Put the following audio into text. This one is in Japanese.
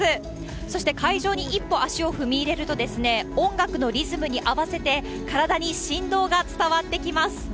そして、会場に一歩足を踏み入れると、音楽のリズムに合わせて、体に震動が伝わってきます。